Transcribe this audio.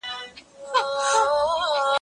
زه کتابتون ته تللي دي.